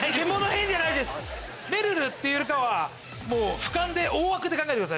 めるるっていうよりかは俯瞰で大枠で考えてください。